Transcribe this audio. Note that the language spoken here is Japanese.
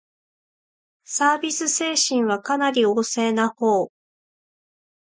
サービス精神はかなり旺盛なほう